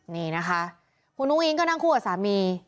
นี่นะคะคุณอุ้งอิงก็นั่งคู่กับสามี